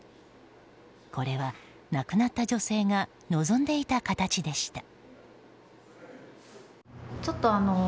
これは亡くなった女性が望んでいた形でした。